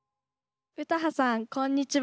・詩羽さんこんにちは。